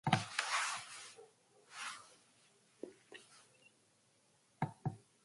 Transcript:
Tsay warmapa umanmi puriptin nanan.